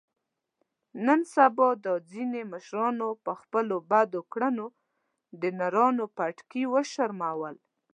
نن سبا دا ځنې مشرانو په خپلو بدو کړنو د نرانو پټکي و شرمول.